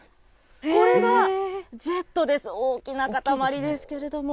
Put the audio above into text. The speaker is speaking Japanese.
これがジェットです、大きな塊ですけれども。